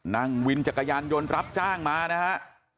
นั่งวินจักรยานยนต์รับจ้างมานะฮะ